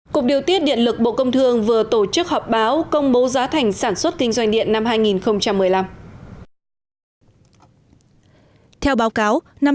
cục điều tiết điện lực bộ công thương vừa tổ chức họp báo công bố giá thành sản xuất kinh doanh điện năm hai nghìn một mươi năm